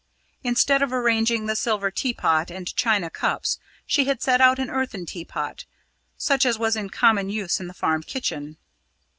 Instead of arranging the silver teapot and china cups, she had set out an earthen teapot, such as was in common use in the farm kitchen.